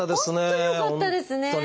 本当によかったですね。